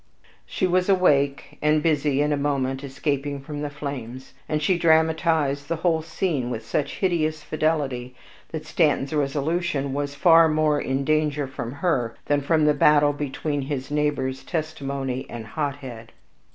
She was awake, and busy in a moment escaping from the flames; and she dramatized the whole scene with such hideous fidelity, that Stanton's resolution was far more in danger from her than from the battle between his neighbors Testimony and Hothead.